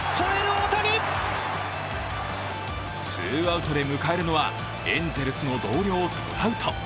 ツーアウトで迎えるのはエンゼルスの同僚・トラウト。